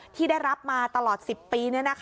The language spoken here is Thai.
ที่ได้รับมาตลอด๑๐ปี